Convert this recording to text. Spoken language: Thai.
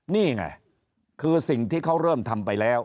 นี่ไงคือสิ่งที่เขาเริ่มทำไปแล้ว